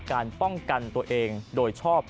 การป้องกันตัวเองโดยชอบ